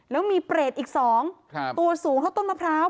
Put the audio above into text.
แล้วมีเปรตอีก๒ตัวสูงเท่าต้นมะพร้าว